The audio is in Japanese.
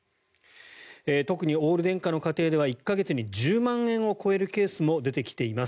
特にオール電化の家庭では１か月に１０万円を超えるケースも出てきています。